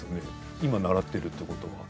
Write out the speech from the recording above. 今、習っているということは。